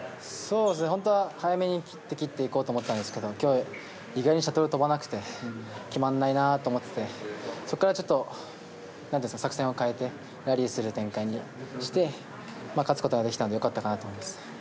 本当は早めに切っていこうと思ったんですが今日、意外にシャトルが飛ばなくて決まらないなと思っていてそこから作戦を変えてラリーする展開にして勝つことができたのでよかったかなと思います。